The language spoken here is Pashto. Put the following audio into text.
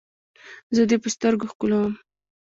زه دې په سترګو ښکلوم.